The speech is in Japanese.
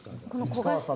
市川さん